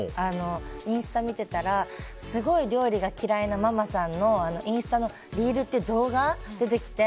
インスタ見てたらすごい料理が嫌いなママさんのインスタのリールって動画が出てきて。